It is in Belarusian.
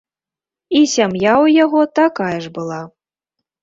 І сям'я ў яго такая ж была.